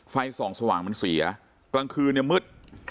ไฟส่องสว่างมันเสียกลางคืนเนี่ยมืด